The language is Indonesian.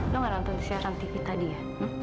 lo gak nonton siaran tv tadi ya